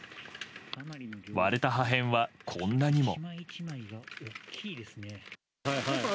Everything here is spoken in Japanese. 割れた破片はこんなにも。